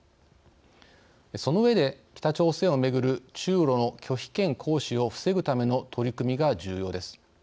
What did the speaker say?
その上で北朝鮮を巡る中ロの拒否権行使を防ぐための取り組みが重要です。